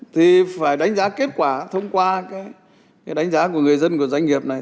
thì phải đánh giá kết quả thông qua cái đánh giá của người dân của doanh nghiệp này